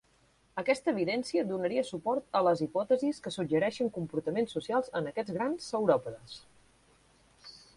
Aquesta evidència donaria suport a les hipòtesis que suggereixen comportaments socials en aquests grans sauròpodes.